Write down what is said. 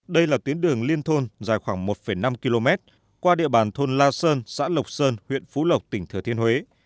đây là tuyến đường liên thôn dài khoảng một năm km qua địa bàn thôn la sơn xã lộc sơn huyện phú lộc tỉnh thừa thiên huế